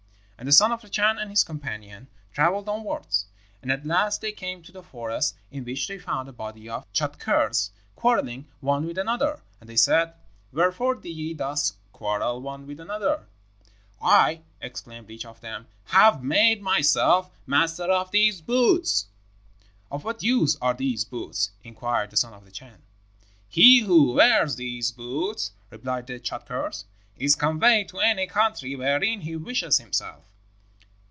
"And the son of the Chan and his companion travelled onwards, and at last they came to a forest in which they found a body of Tschadkurrs quarrelling one with another, and they said, 'Wherefore do ye thus quarrel one with another?' "'I,' exclaimed each of them, 'have made myself master of these boots.' "'Of what use are these boots?' inquired the son of the Chan. "'He who wears these boots,' replied the Tschadkurrs, 'is conveyed to any country wherein he wishes himself.'